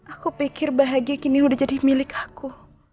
aku pikir bahagia kini udah jadi milik aku